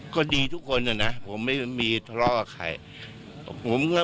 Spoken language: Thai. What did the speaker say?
ก็ดีทุกคนนะนะผมไม่มีทะเลาะกับใครผมก็